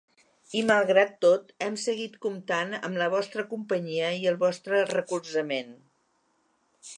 I malgrat tot hem seguit comptant amb la vostra companyia i el vostre recolzament.